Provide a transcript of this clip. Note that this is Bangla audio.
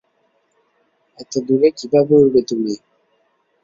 এত দূর কীভাবে উড়বে তুমি?